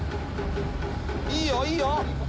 いいよいいよ！